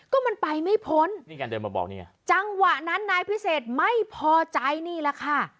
ก็มันไปไม่พ้นจังหวะนั้นนายพิเศษไม่พอใจนี่แหละค่ะ